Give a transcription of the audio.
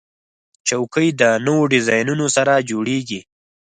چوکۍ د نوو ډیزاینونو سره جوړیږي.